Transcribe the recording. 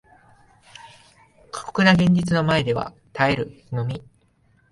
過酷な現実の前では耐えるのみ